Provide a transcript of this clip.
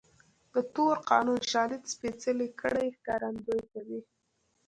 د تور قانون شالید سپېڅلې کړۍ ښکارندويي کوي.